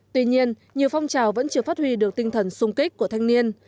tuy nhiên nhiều phong trào vẫn chưa phát huy được tinh thần sung kích của thanh niên